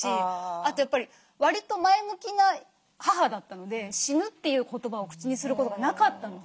あとやっぱりわりと前向きな母だったので「死ぬ」という言葉を口にすることがなかったので。